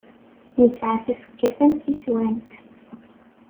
Isɛa tafekka tamsiswant.